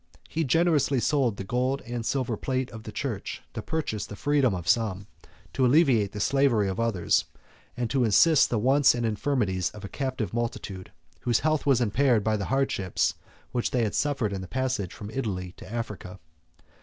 He generously sold the gold and silver plate of the church to purchase the freedom of some, to alleviate the slavery of others, and to assist the wants and infirmities of a captive multitude, whose health was impaired by the hardships which they had suffered in their passage from Italy to Africa.